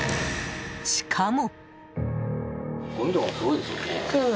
しかも。